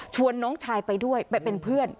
น้องชายไปด้วยไปเป็นเพื่อน